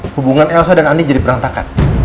hubungan elsa dan andin jadi perantakan